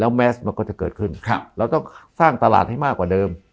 แมสมันก็จะเกิดขึ้นเราต้องสร้างตลาดให้มากกว่าเดิม